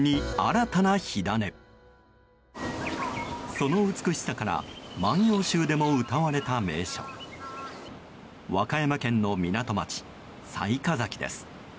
その美しさから万葉集でも歌われた名所和歌山県の港町・雑賀崎です。